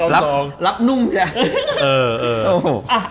แม่รับนุ่มใช่ไหม